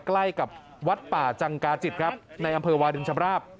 ใกล้กับวัดป่าจังกาจิตครับในอำเภอวาดินชำราบ